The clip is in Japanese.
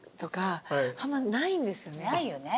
ないよね。